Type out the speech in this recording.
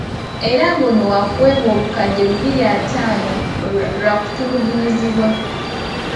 Era ng'ono waakuweebwa obukadde bibiri ataano lwakutulugunyizibwa.